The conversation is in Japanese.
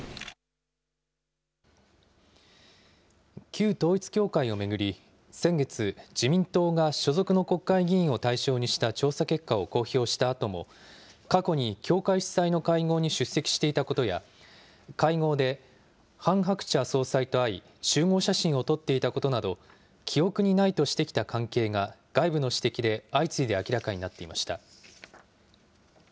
旧統一教会を巡り、先月、自民党が所属の国会議員を対象にした調査結果を公表したあとも、過去に教会主催の会合に出席していたことや、会合でハン・ハクチャ総裁と会い、集合写真を撮っていたことなど、記憶にないとしてきた関係が外部の指摘で相次いで明らかになっていました。